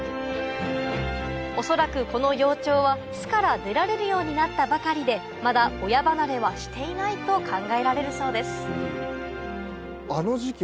恐らくこの幼鳥は巣から出られるようになったばかりでまだ親離れはしていないと考えられるそうです